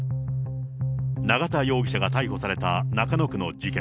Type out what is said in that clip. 永田容疑者が逮捕された中野区の事件。